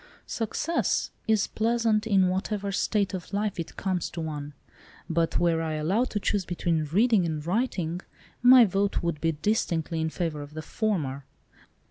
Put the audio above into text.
"Success is pleasant in whatever state of life it comes to one, but were I allowed to choose between reading and writing, my vote would be distinctly in favour of the former.